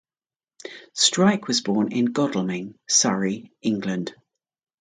Strike was born in Godalming, Surrey, England.